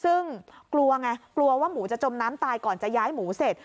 ซึ่งกลัวไงกลัวว่าหมูจะจมน้ำตายก่อนจะย้ายหมูเสร็จ